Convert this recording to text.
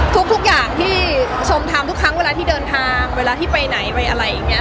ทุกอย่างที่ชมทำทุกครั้งเวลาที่เดินทางเวลาที่ไปไหนไปอะไรอย่างนี้